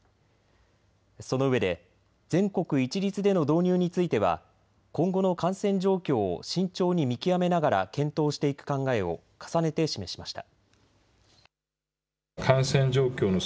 そのうえで全国一律での導入については今後の感染状況を慎重に見極めながら検討していく考えを重ねて示しました。